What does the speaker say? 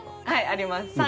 はいあります。